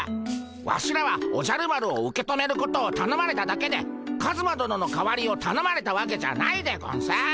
ワシらはおじゃる丸を受け止めることをたのまれただけでカズマ殿の代わりをたのまれたわけじゃないでゴンス。